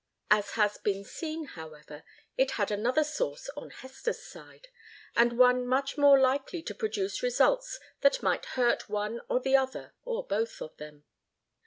As has been seen, however, it had another source on Hester's side, and one much more likely to produce results that might hurt one or the other or both of them.